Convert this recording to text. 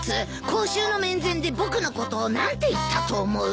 公衆の面前で僕のことを何て言ったと思う？